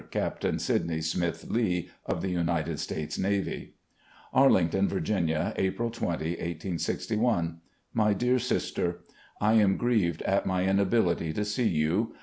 Captain Sydney Smith Lee, of the United States Navy: "Arlington, Virginia, April 20, 1861. " My Dear Sister: I am grieved at my inability to see you.